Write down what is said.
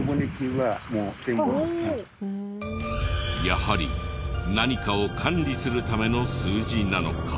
やはり何かを管理するための数字なのか？